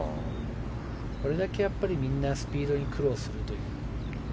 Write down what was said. これだけみんなスピードに苦労するという。